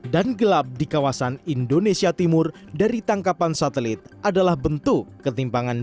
dan gelap di kawasan indonesia timur dari tangkapan satelit adalah bentuk ketimpangan